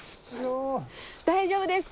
大丈夫ですか？